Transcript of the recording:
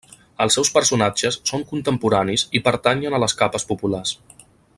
Els seus personatges són contemporanis i pertanyen a les capes populars.